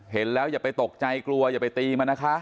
เห็นแล้วอย่าไปตกใจกลัวอย่าไปตีมันนะคะ